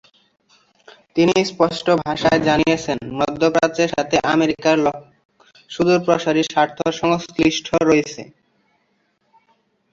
পাওয়ার heating নিয়ে কিছু কাজ করেছি।